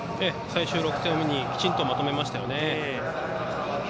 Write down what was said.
最終６投目にきちんと、まとめましたね。